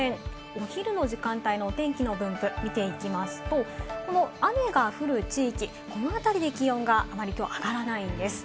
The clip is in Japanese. お昼の時間帯のお天気の分布を見ていきますと、この雨が降る地域、この辺りで気温があまり今日は上がらないんです。